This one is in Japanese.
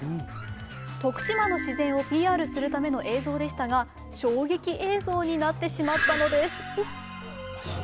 徳島の自然をＰＲするための映像でしたが衝撃映像になってしまったのです。